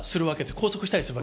拘束したりする。